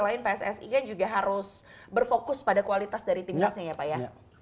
selain pssi kan juga harus berfokus pada kualitas dari timnasnya ya pak ya